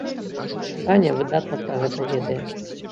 Таня выдатна пра гэта ведае.